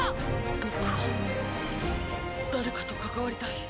僕は誰かと関わりたい。